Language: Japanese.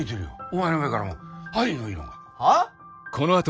お前の目からも愛の色が。はあ？